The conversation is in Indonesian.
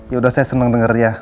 yaudah saya senang denger ya